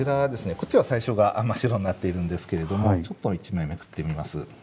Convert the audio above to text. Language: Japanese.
こっちは最初が真っ白になっているんですけれどもちょっと１枚めくってみます。